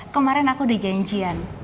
kemarin aku udah janjian